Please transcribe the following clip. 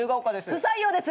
不採用です！